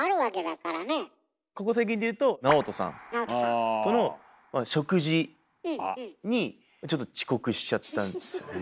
ここ最近でいうとＮＡＯＴＯさんとの食事にちょっと遅刻しちゃったんですよね。